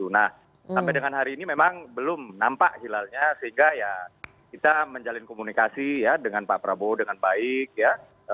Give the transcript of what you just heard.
nah sampai dengan hari ini memang belum nampak hilalnya sehingga ya kita menjalin komunikasi ya dengan pak prabowo dengan baik ya